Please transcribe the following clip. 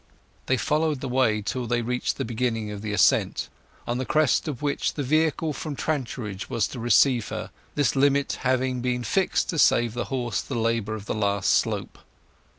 They followed the way till they reached the beginning of the ascent, on the crest of which the vehicle from Trantridge was to receive her, this limit having been fixed to save the horse the labour of the last slope.